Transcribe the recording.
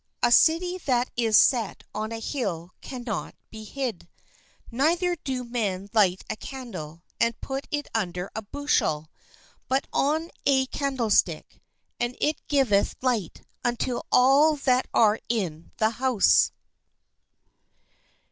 A city that is set on an hill cannot be hid. Neither do men light a candle, and put it under a bushel, but on a THE LIGHT OF THE WORLD candlestick; and it giveth light unto all that are in the house.